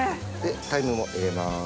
タイムも入れます。